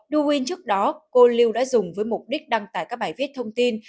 đu huynh trước đó cô lưu đã dùng với mục đích đăng tải các bài viết thông tin